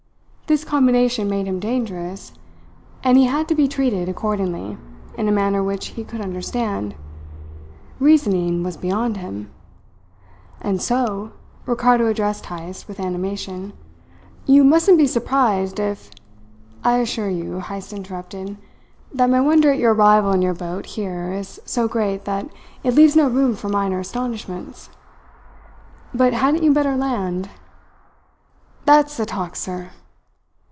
This combination made him dangerous, and he had to be treated accordingly, in a manner which he could understand. Reasoning was beyond him. "And so" Ricardo addressed Heyst with animation "you mustn't be surprised if " "I assure you," Heyst interrupted, "that my wonder at your arrival in your boat here is so great that it leaves no room for minor astonishments. But hadn't you better land?" "That's the talk, sir!"